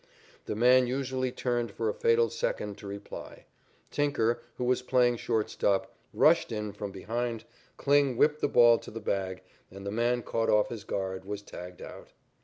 The man usually turned for a fatal second to reply. Tinker, who was playing shortstop, rushed in from behind, Kling whipped the ball to the bag, and the man, caught off his guard, was tagged out.